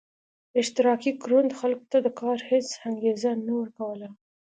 اشتراکي کروندو خلکو ته د کار هېڅ انګېزه نه ورکوله